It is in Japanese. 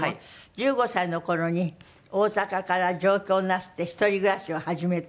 １５歳の頃に大阪から上京なすって一人暮らしを始めた。